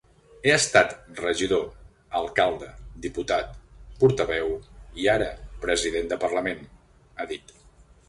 He estat regidor, alcalde, diputat, portaveu i ara president de parlament, ha dit.